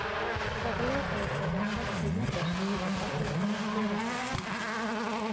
که غله او ارتزاقیات قیمته شي د فصل په راتلو رفع کیږي.